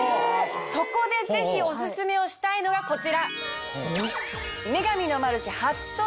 そこでぜひお薦めをしたいのがこちら！